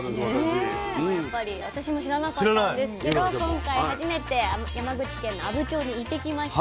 やっぱり私も知らなかったんですけど今回初めて山口県の阿武町に行ってきました。